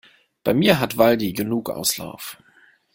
Bei mir hat Waldi genug Auslauf.